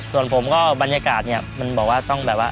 ส่วนผมก็บรรยากาศเนี่ยมันบอกว่าต้องแบบว่า